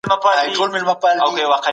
فارابي د فاضله ښار نظريه وړاندې کړه.